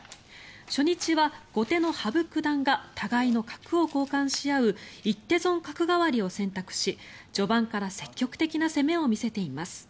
初日は後手の羽生九段が互いの角を交換し合う一手損角換わりを選択し序盤から積極的な攻めを見せています。